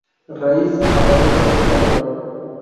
Raíz, aparentemente anual.